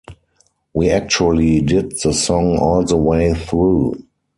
We actually did the song all the way through.